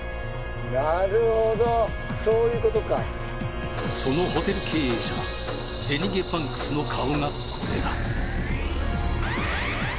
なるほどそういうことかそのホテル経営者ゼニゲバンクスの顔がこれだ